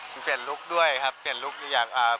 เปลี่ยนลุคด้วยครับเพิ่งไปทำผมหยิกมาด้วยครับ